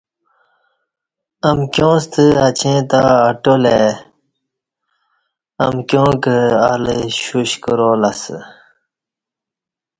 امکیاں ستہ اچیں تہ اٹال ای، امکیاں کہ ال شوش کرالہ اسہ